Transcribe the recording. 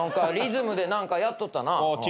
リズムで何かやっとったな。